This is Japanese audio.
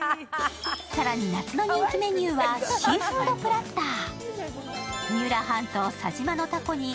更に夏の人気メニューはシーフードプラッター。